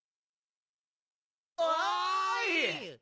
おい！